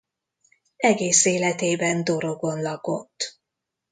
Egész életében Dorogon lakott.